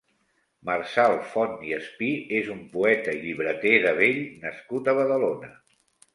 Marçal Font i Espí és un poeta i llibreter de vell nascut a Badalona.